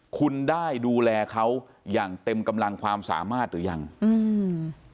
คุณได้ดูแลเขาอย่างเต็มกำลังความสามารถหรือยังอืม